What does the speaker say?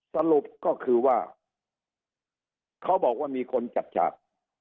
สรุปก็คือว่าเขาบอกว่ามีคนจัดฉาก